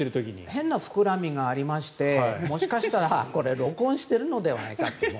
変な膨らみがありましてもしかしたら録音しているのではないかと。